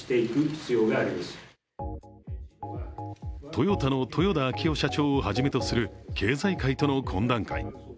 トヨタの豊田章男社長をはじめとする経済界との懇談会。